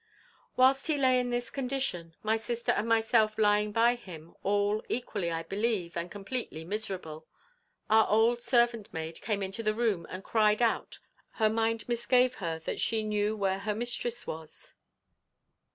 "Whilst he lay in this condition, my sister and myself lying by him, all equally, I believe, and completely miserable, our old servant maid came into the room and cried out, her mind misgave her that she knew where her mistress was.